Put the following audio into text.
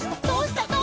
どうした？」